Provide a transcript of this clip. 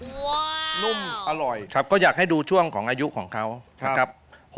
นุ่มอร่อยครับก็อยากให้ดูช่วงของอายุของเขานะครับ